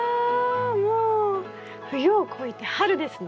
もう冬を越えて春ですね。